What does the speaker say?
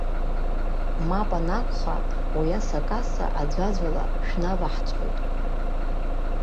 Мап анакәха, уи асакаса аӡәаӡәала шәаваҳҵоит.